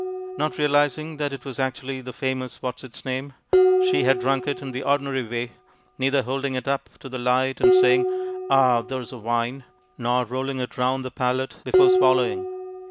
Not realizing that it was actually the famous Whatsitsname, she had drunk it in the ordinary way, neither holding it up to the light and saying, "Ah, there's a wine!" nor rolling it round the palate before swallowing.